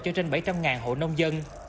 cho trên bảy trăm linh hộ nông dân